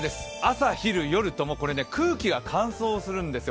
朝昼夜とも空気が乾燥するんですよ。